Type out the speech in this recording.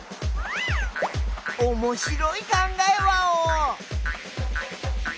おもしろい考えワオ！